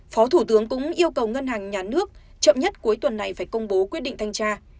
phó thủ tướng cũng yêu cầu ngân hàng nhà nước chậm nhất cuối tuần này phải công bố quyết định thanh tra